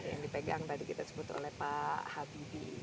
yang dipegang tadi kita sebut oleh pak habibi